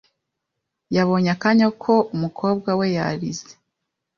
Yabonye akanya ko umukobwa we yarize .